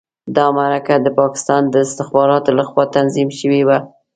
دا مرکه د پاکستان د استخباراتو لخوا تنظیم شوې وه.